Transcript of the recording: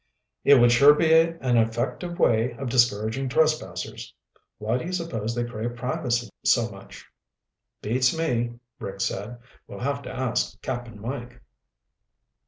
"It would sure be an effective way of discouraging trespassers. Why do you suppose they crave privacy so much?" "Beats me," Rick said. "We'll have to ask Cap'n Mike."